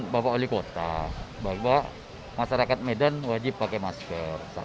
bahkan masyarakat medan wajib pakai masker